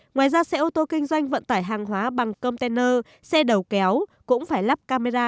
ngoài ra xe ô tô kinh doanh vận tải hàng hóa bằng container xe đầu kéo cũng phải lắp camera